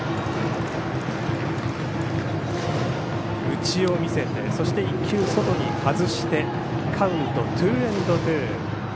内を見せて１球外に外してカウント、ツーエンドツー。